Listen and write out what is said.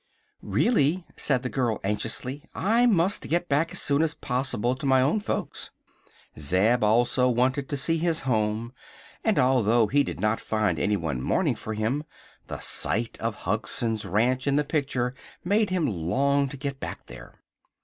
"Really," said the girl, anxiously, "I must get back as soon as poss'ble to my own folks." Zeb also wanted to see his home, and although he did not find anyone mourning for him, the sight of Hugson's Ranch in the picture made him long to get back there.